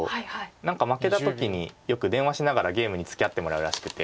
何か負けた時によく電話しながらゲームにつきあってもらうらしくて。